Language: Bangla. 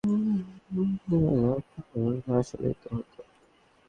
আমাকে কল দিলে কিংবা বাসায় আসলেই তো হতো!